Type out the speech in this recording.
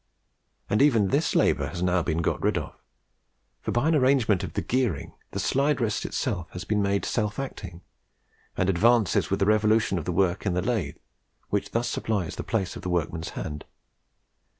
And even this labour has now been got rid of; for, by an arrangement of the gearing, the slide itself has been made self acting, and advances with the revolution of the work in the lathe, which thus supplies the place of the workman's hand.